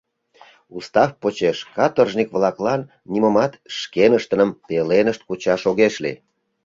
— Устав почеш каторжник-влаклан нимомат шкеныштыным пеленышт кучаш огеш лий.